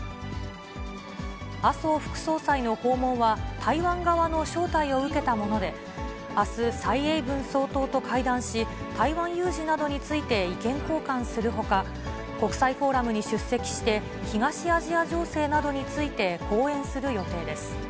麻生副総裁の訪問は、台湾側の招待を受けたもので、あす、蔡英文総統と会談し、台湾有事などについて意見交換するほか、国際フォーラムに出席して、東アジア情勢などについて講演する予定です。